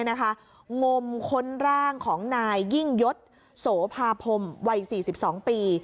งมค้นร่างของนายยิ่งยศโสภาพมวัย๔๒ปี